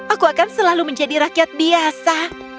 aku akan selalu menjadi rakyat biasa